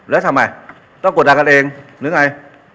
แล้วทำไมต้องกดดันกันเองหรือไง